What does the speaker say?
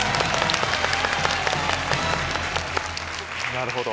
なるほど！